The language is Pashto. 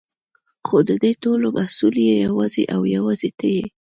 خو ددې ټولو مسؤل يې يوازې او يوازې ته يې.